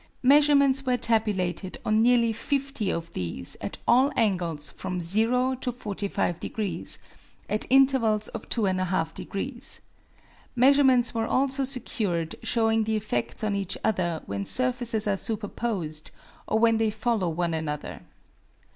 Measurements were tabulated on nearly 50 of these at all angles from zero to 45 degrees at intervals of 2 1/2 degrees. Measurements were also secured showing the effects on each other when surfaces are superposed, or when they follow one another.